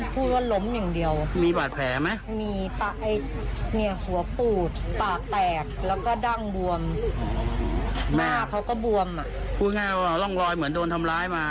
พูดง่ายร่องรอยเหมือนโดนทำร้ายมา